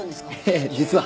ええ実は。